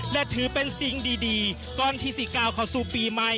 และถือเป็นสิ่งดีก่อนที่๔๙เข้าสู่ปีใหม่